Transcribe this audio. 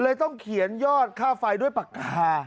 ต้องเขียนยอดค่าไฟด้วยปากกา